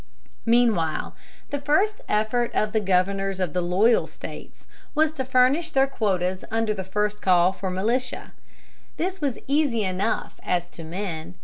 Meanwhile, the first effort of the governors of the loyal States was to furnish their quotas under the first call for militia. This was easy enough as to men.